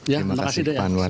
ya makasih pak anwar